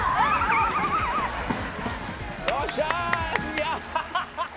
よっしゃ！